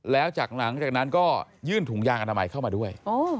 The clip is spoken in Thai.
แล้วจากหลังจากนั้นก็ยื่นถุงยางอนามัยเข้ามาด้วย